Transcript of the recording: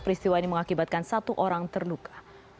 peristiwa ini mengakibatkan satu orang terluka